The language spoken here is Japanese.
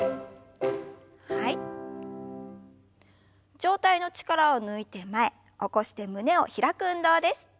上体の力を抜いて前起こして胸を開く運動です。